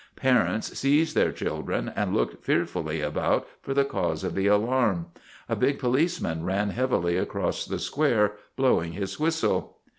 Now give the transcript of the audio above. Parents seized their children and looked fear fully about for the cause of the alarm. A big police man ran heavily across the square, blowing his whistle.